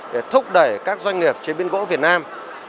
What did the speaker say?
để thúc đẩy các doanh nghiệp chí biên gỗ việt nam